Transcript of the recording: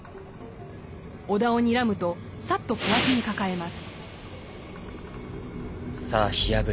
尾田をにらむとさっと小脇に抱えます。